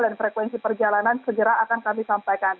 dan frekuensi perjalanan segera akan kami sampaikan